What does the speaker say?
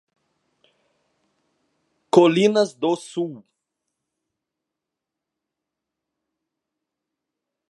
Colinas do Sul